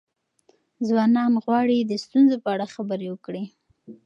ځوانان غواړي د ستونزو په اړه خبرې وکړي.